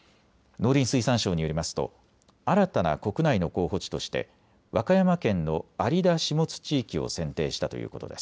農林水産省によりますと新たな国内の候補地として和歌山県の有田・下津地域を選定したということです。